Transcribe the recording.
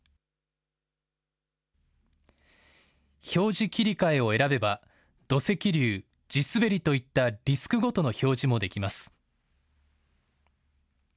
表示切り替えを選べば、土石流、地滑りといったリスクごとの表示もできます。